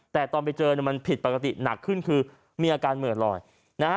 แต่ตอนไปเจอเนี่ยมันผิดปกติหนักขึ้นคือมีอาการเหมือนลอยนะฮะ